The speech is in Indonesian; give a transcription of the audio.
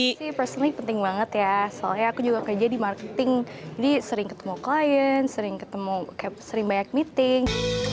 ini personally penting banget ya soalnya aku juga kerja di marketing jadi sering ketemu klien sering ketemu sering banyak meeting